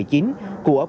diễn ra tại hà nội